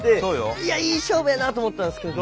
いやいい勝負やなと思ったんですけど